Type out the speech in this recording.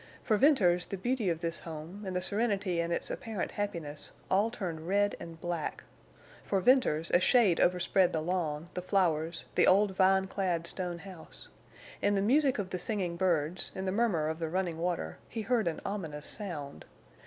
For Venters the beauty of this home, and the serenity and its apparent happiness, all turned red and black. For Venters a shade overspread the lawn, the flowers, the old vine clad stone house. In the music of the singing birds, in the murmur of the running water, he heard an ominous sound.